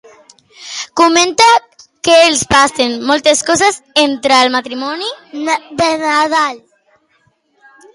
Comenta que els passen moltes coses entre el matrimoni per Nadal?